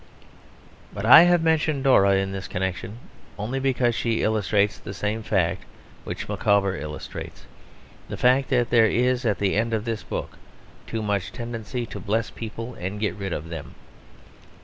But I have mentioned Dora in this connection only because she illustrates the same fact which Micawber illustrates; the fact that there is at the end of this book too much tendency to bless people and get rid of them.